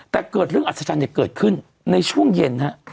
แต่เกิดเรื่องอัศจรรย์เกิดขึ้นในช่วงเย็นฮะ